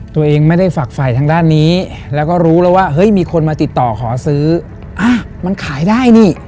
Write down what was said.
ตัวเองไม่ได้ฝักฝ่ายทางด้านนี้แล้วก็รู้แล้วว่าเฮ้ยมีคนมาติดต่อขอซื้ออ่ะมันขายได้นี่